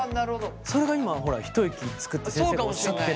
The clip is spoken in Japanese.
それが今ほら一息つくって先生がおっしゃってた。